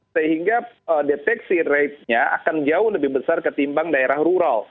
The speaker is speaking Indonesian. sehingga deteksi ratenya akan jauh lebih besar ketimbang daerah rural